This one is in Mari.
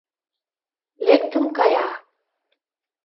Лектын кая.